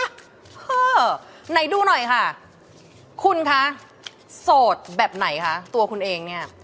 ไหนดูหน่อยค่ะคุณคะโสดแบบไหนคะตัวคุณเองเนี่ย